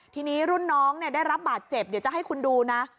ทีนี้รุ่นน้องได้รับบาดเจ็บเดี๋ยวจะให้คุณดูนะ